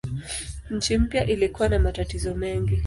Nchi mpya ilikuwa na matatizo mengi.